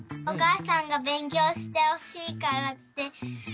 おかあさんがべんきょうしてほしいからって。